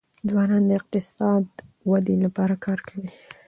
ځوانان د اقتصاد د ودي لپاره کار کوي.